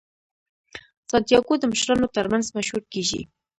سانتیاګو د مشرانو ترمنځ مشهور کیږي.